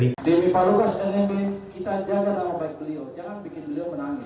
demi pak lukas nmb kita jaga tangan baik beliau jangan bikin beliau menang